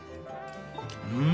うん！